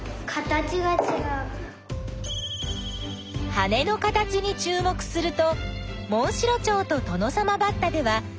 羽の形にちゅう目するとモンシロチョウとトノサマバッタでは形がちがう。